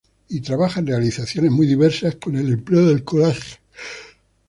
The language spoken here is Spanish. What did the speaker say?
Y trabaja en realizaciones muy diversas con el empleo del collage.